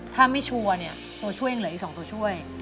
ตัวช่วยยังเหลืออีก๒ตัวช่วย